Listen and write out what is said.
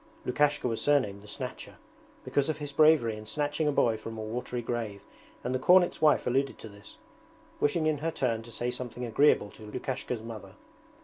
Lukashka was surnamed 'the Snatcher' because of his bravery in snatching a boy from a watery grave, and the cornet's wife alluded to this, wishing in her turn to say something agreeable to Lukashka's mother.